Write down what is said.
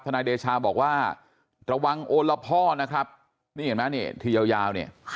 นายเดชาบอกว่าระวังโอละพ่อนะครับนี่เห็นไหมนี่ทียาวเนี่ย